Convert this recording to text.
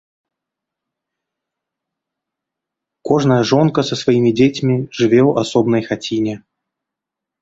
Кожная жонка са сваімі дзецьмі жыве ў асобнай хаціне.